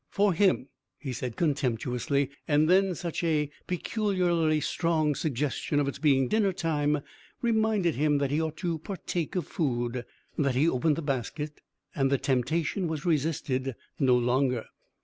"For him," he said contemptuously, and then such a peculiarly strong suggestion of its being dinner time reminded him that he ought to partake of food, that he opened the basket, and the temptation was resisted no longer.